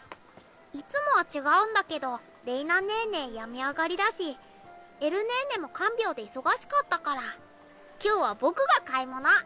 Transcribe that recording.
いつもは違うんだけどれいなねーねー病み上がりだしえるねーねーも看病で忙しかったから今日は僕が買い物。